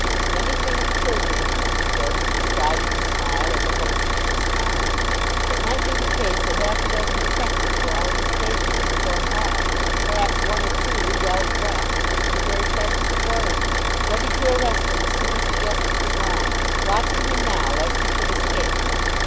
Many things occurred to him as he stood, striving to smile as a host should smile. It might be the case that half a dozen detectives were already stationed in his own hall, perhaps one or two, well dressed, in the very presence of royalty, ready to arrest him as soon as the guests were gone, watching him now lest he should escape.